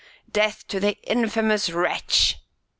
death to the infamous wretch!"